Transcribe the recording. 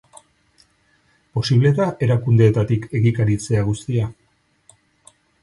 Posible da erakundeetatik egikaritzea guztia?